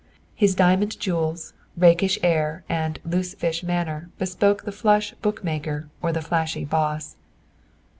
His diamond jewels, rakish air and "loose fish" manner bespoke the flush book maker or the flashy "boss."